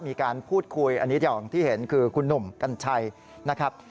มีการพูดคุยอันนี้อย่างที่เห็นคือคุณหนุ่มกัญชัยนะครับ